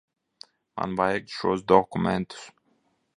Man vajag šos dokumentus.